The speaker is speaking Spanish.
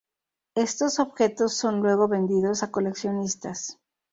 Estos objetos son luego vendidos a coleccionistas.